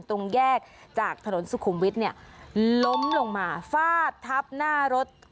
ตรงแยกจากถนนสุขุมวิทย์เนี่ยล้มลงมาฟาดทับหน้ารถ